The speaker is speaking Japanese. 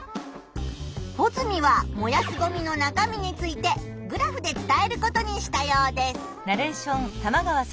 ホズミは燃やすゴミの中身についてグラフで伝えることにしたようです。